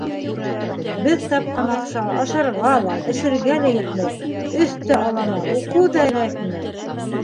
Беҙ тапҡан аҡса ашарға ла, эсергә лә етмәй, өҫ тә алама, уҡыу ҙа эләкмәй.